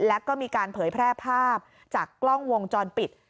แล้วก็มีการเผยแพร่ภาพจากกล้องวงจรปิด